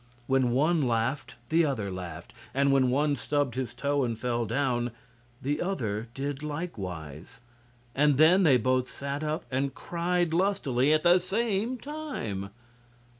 When one laughed the other laughed, and when one stubbed his toe and fell down, the other did likewise, and then they both sat up and cried lustily at the same time.